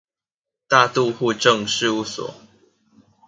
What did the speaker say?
大肚戶政事務所